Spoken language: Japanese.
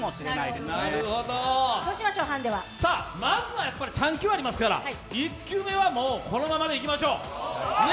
まずは３球ありますから、１球目はこのままでいきましょう。